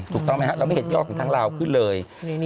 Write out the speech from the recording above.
ถูกต้องไหมครับเราไม่เห็นยอดของทางลาวขึ้นเลย